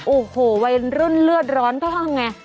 โอ้โหวัยรุ่นเลือดร้อนเพิ่มไง